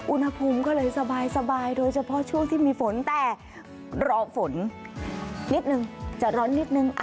อุณหภูมิก็เลยสบายโดยเฉพาะช่วงที่มีฝนแต่รอฝนนิดนึงจะร้อนนิดนึง